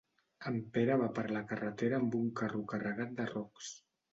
En Pere va per la carretera amb un carro carregat de rocs.